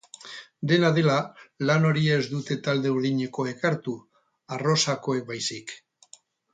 Dena dela, lan hori ez dute talde urdinekoek hartu, arrosakoek baizik.